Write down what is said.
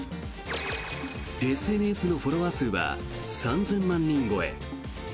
ＳＮＳのフォロワー数は３０００万人超え。